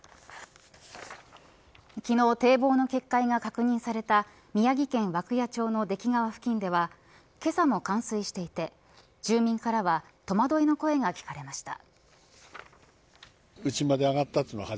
昨日、堤防の決壊が確認された宮城県涌谷町の出来川付近ではけさも冠水していて住民からは戸惑いの声が聞かれました。